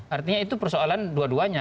artinya itu persoalan dua duanya